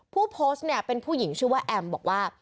ผู้โพสต์เนี่ยเป็นผู้หญิงชื่อว่าแอมบอกว่า